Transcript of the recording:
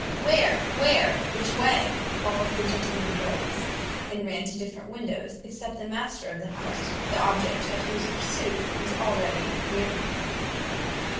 "Where? where? which way?" and all the gentlemen arose, and ran to different windows, except the master of the house, the object of whose pursuit was already near him.